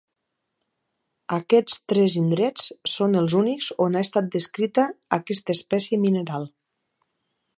Aquests tres indrets són els únics on ha estat descrita aquesta espècie mineral.